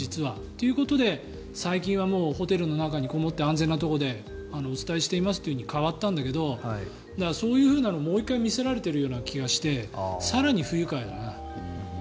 ということで最近はホテルの中にこもって安全なところでお伝えしていますというふうに変わったんだけどそういうふうなものをもう１回見せられているような気がして更に不愉快だな。